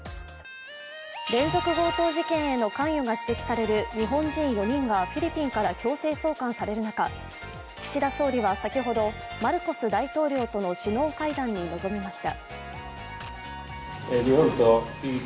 連続強盗事件への関与が指摘される日本人４人がフィリピンから強制送還される中、岸田総理は先ほど、マルコス大統領との首脳会談に臨みました。